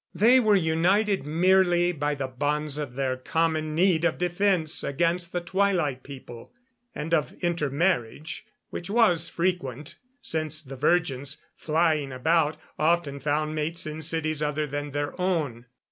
They were united merely by the bonds of their common need of defense against the Twilight People, and of intermarriage, which was frequent, since the virgins, flying about, often found mates in cities other than their own.